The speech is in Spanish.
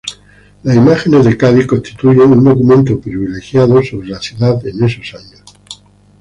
Las imágenes de Cádiz constituyen un documento privilegiado sobre la ciudad en esos años.